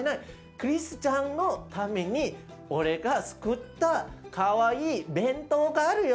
クリスちゃんのために俺がつくったかわいい弁当があるよ。